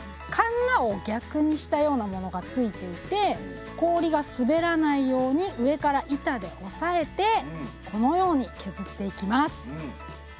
鉋を逆にしたようなものが付いていて氷が滑らないように上から板で押さえてこのように削っていきます。